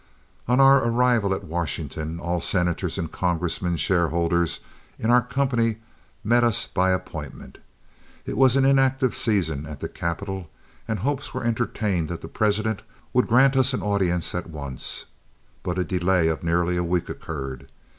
On our arrival at Washington, all senators and congressmen shareholders in our company met us by appointment. It was an inactive season at the capital, and hopes were entertained that the President would grant us an audience at once; but a delay of nearly a week occurred.